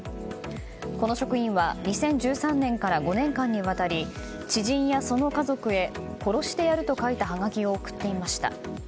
この職員は２０１３年から５年間にわたり知人やその家族へ殺してやると書いたはがきを送っていました。